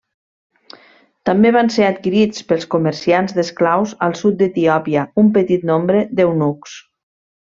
També van ser adquirits pels comerciants d'esclaus al sud d'Etiòpia un petit nombre d'eunucs.